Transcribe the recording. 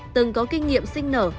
từng có kinh nghiệm sinh nở